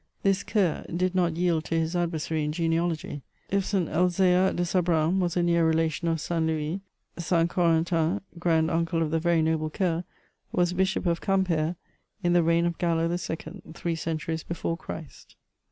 This Ker did not yield to his adversary in genealogy : if St. Elzear de Sabran was a near relation of St. Louis, St. Corentin, grand uncle of the very noble Ker^ was Bishop of Quimper in the reign of Gallo II., three centuries be fore Christ.